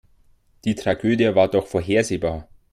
Die Tragödie war doch vorhersehbar.